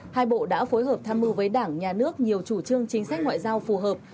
hai bộ đã phối hợp tham mưu với đảng nhà nước nhiều chủ trương chính sách ngoại giao phù hợp